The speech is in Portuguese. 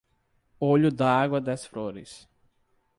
Olho d'Água das Flores